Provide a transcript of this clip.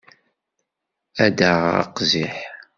Ad d-aɣeɣ aqziḥ.